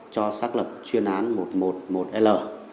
cho xác lập chuyên án một trăm một mươi một l